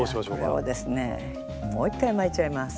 これをですねもう一回巻いちゃいます。